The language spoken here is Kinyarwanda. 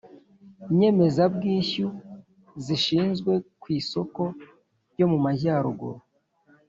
Nyemezabwishyu zishyizwe ku isoko ryo mumajyaruguru